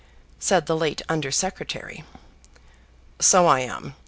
said the late Under Secretary. "So I am.